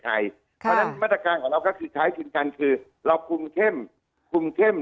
ก็มันก็คือใช้พิกันว่าเราคุมเข้ม